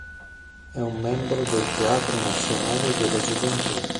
È un membro del teatro nazionale della gioventù.